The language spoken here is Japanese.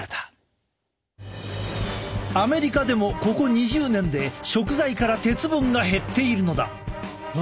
アメリカでもここ２０年で食材から鉄分が減っているのだ。